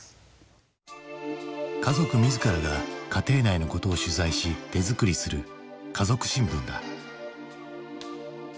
家族自らが家庭内のことを取材し手作りする「家族新聞」だ。